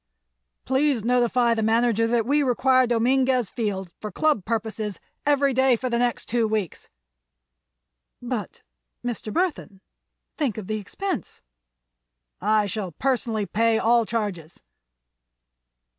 "Please notify the manager that we require Dominguez Field, for Club purposes, every day for the next two weeks." "But—Mr. Burthon! Think of the expense." "I shall personally pay all charges."